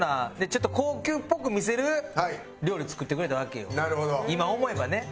ちょっと高級っぽく見せる料理作ってくれたわけよ今思えばね。